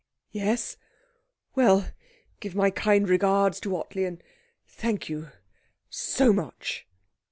'Yes? Well, give my kind regards to Ottley, and thank you so much.'